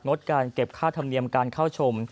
ดการเก็บค่าธรรมเนียมการเข้าชม